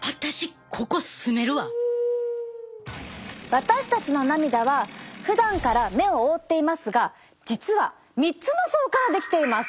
私たちの涙はふだんから目を覆っていますが実は３つの層から出来ています。